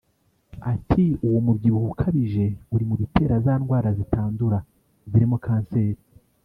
Ati “Uwo mubyibuho ukabije uri mu bitera za ndwara zitandura zirimo kanseri